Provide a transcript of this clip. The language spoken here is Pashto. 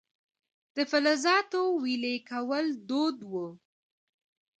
د فلزاتو ویلې کول دود و